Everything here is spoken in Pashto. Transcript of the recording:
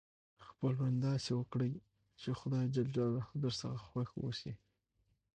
خپل ژوند داسي وکړئ، چي خدای جل جلاله درڅخه خوښ اوسي.